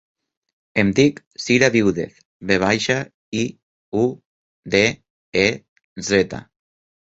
Em dic Cira Viudez: ve baixa, i, u, de, e, zeta.